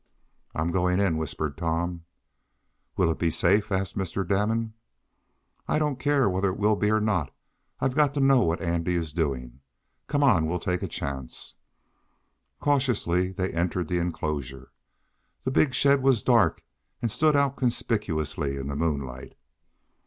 "I'm going in!" whispered Tom. "Will it be safe?" asked Mr. Damon. "I don't care whether it will be or not. I've got to know what Andy is doing. Come on! We'll take a chance!" Cautiously they entered the enclosure. The big shed was dark, and stood out conspicuously in the moonlight.